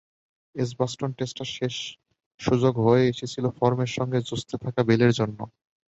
Edgbaston টেস্টটা শেষ সুযোগ হয়েই এসেছিল ফর্মের সঙ্গে যুঝতে থাকা বেলের জন্য।